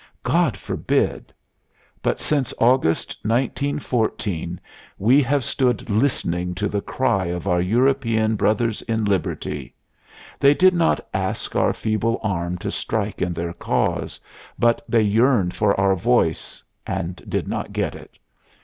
God forbid! But since August, 1914, we have stood listening to the cry of our European brothers in Liberty. They did not ask our feeble arm to strike in their cause, but they yearned for our voice and did not get it.